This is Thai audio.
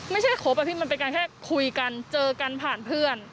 ครบอะพี่มันเป็นการแค่คุยกันเจอกันผ่านเพื่อน